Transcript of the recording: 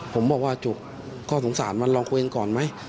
ผมบอกว่าจบข้อสงสารมันลองคุยกันก่อนไหม